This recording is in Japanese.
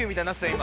今。